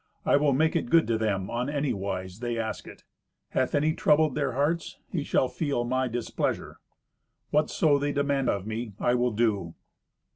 I will make it good to them on any wise they ask it. Hath any troubled their hearts, he shall feel my displeasure. Whatso they demand of me I will do."